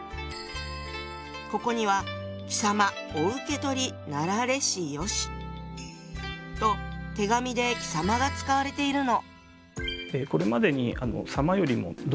ここには「貴様御受け取りなられしよし」と手紙で「貴様」が使われているの。